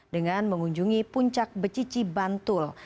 dengan mengunjungi puncak becici bantul